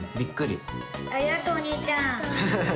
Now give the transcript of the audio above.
ありがとう、お兄ちゃん。